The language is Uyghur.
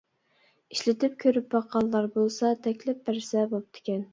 ئىشلىتىپ كۆرۈپ باققانلار بولسا تەكلىپ بەرسە بوپتىكەن.